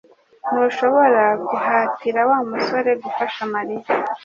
Ntushobora guhatira Wa musore gufasha Mariya